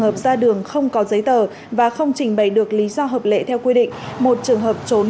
hợp ra đường không có giấy tờ và không trình bày được lý do hợp lệ theo quy định một trường hợp trốn